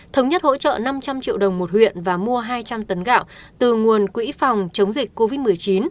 thống nhất hỗ trợ năm trăm linh triệu đồng một huyện và mua hai trăm linh tấn gạo từ nguồn quỹ phòng chống dịch covid một mươi chín